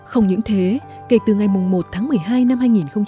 không những thế kể từ ngày một tháng một mươi hai năm hai nghìn một mươi chín